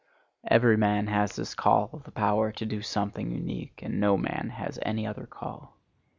Every man has this call of the power to do somewhat unique, and no man has any other call.